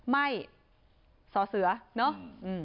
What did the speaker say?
ไม่สอเสือเนาะ